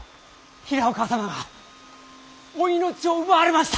平岡様がお命を奪われました。